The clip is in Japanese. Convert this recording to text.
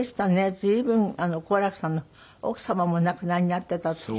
随分好楽さんの奥様もお亡くなりになっていたって。